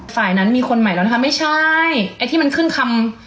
ฝ่ายนั้นมีคนใหม่แล้วนะคะไม่ใช่ไอ้ที่มันขึ้นคำ